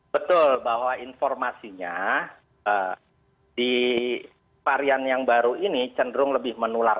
betul bahwa informasinya di varian yang baru ini cenderung lebih menular